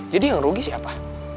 jadi yang rugi siapa